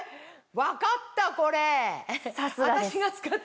分かったこれ。